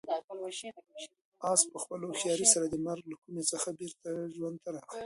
آس په خپلې هوښیارۍ سره د مرګ له کومې څخه بېرته ژوند ته راغی.